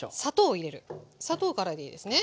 砂糖からでいいですね。